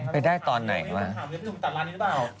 ไปได้ตอนไหนครับ